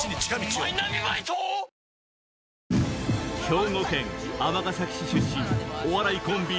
兵庫県尼崎市出身お笑いコンビ